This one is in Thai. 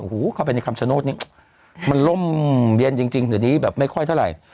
เข้าไปในคำชโนธนี่มันล่มเย็นจริงเดี๋ยวนี้แบบไม่ค่อยเท่าไหร่